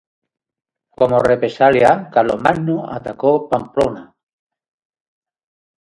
Como represalia, Carlomagno atacó Pamplona.